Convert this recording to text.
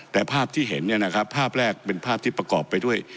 แต่ภาพที่เห็นเนี่ยนะครับภาพแรกเป็นภาพที่ประกอบไปด้วย